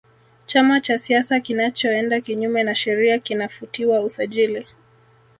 chama cha siasa kinachoenda kinyume na sheria kinafutiwa usajili